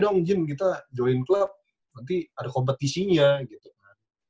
ayo dong jim kita join club nanti ada kompetisinya gitu kan